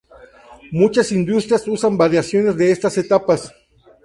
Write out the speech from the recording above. Muchas industrias usan variaciones de estas etapas.